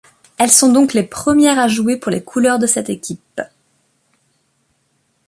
Elles sont donc les premières à jouer pour les couleurs de cette équipe.